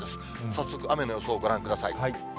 早速、雨の予想、ご覧ください。